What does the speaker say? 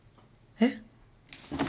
えっ？